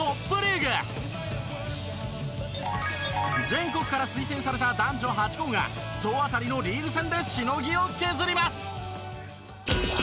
全国から推薦された男女８校が総当たりのリーグ戦でしのぎを削ります！